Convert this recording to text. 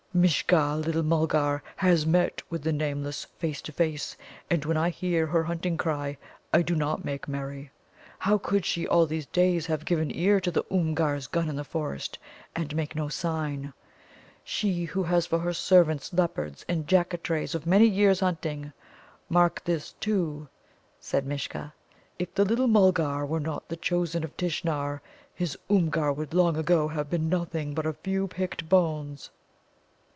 Mishcha, little Mulgar, has met the Nameless face to face, and when I hear her hunting cry I do not make merry. How could she all these days have given ear to the Oomgar's gun in the forest, and make no sign she who has for her servants leopards and Jaccatrays of many years' hunting? Mark this, too," said Mishcha, "if the little Mulgar were not the chosen of Tishnar, his Oomgar would long ago have been nothing but a few picked bones."